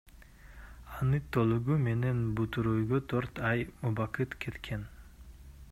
Аны толугу менен бүтүрүүгө төрт ай убакыт кеткен.